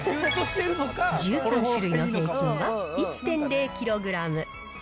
１３種類の平均は１．０キログラム。